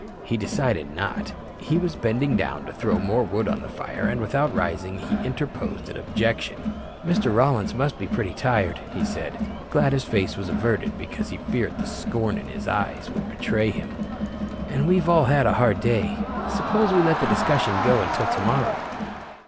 He decided not. He was bending down to throw more wood on the fire and without rising he interposed an objection. "Mr. Rollins must be pretty tired," he said, glad his face was averted because he feared the scorn in his eyes would betray him. "And we've all had a hard day. Suppose we let the discussion go until tomorrow."